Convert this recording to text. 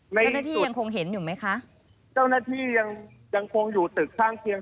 เจ้าหน้าที่ยังคงเห็นอยู่ไหมคะเจ้าหน้าที่ยังยังคงอยู่ตึกข้างเคียง